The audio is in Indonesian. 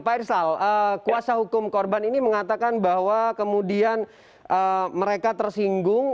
pak irsal kuasa hukum korban ini mengatakan bahwa kemudian mereka tersinggung